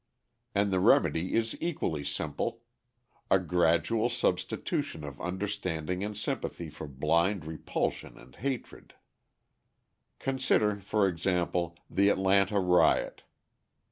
And the remedy is equally simple a gradual substitution of understanding and sympathy for blind repulsion and hatred. Consider, for example, the Atlanta riot.